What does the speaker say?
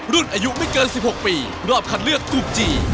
รุ่นอายุไม่เกิน๑๖ปีรอบคัดเลือกถูกจี